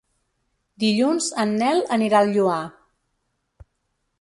Dilluns en Nel anirà al Lloar.